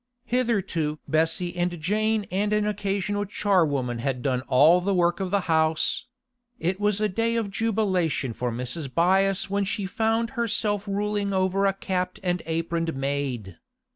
Hitherto Bessie and Jane and an occasional charwoman had done all the work of the house; it was a day of jubilation for Mrs. Byass when she found herself ruling over a capped and aproned maid.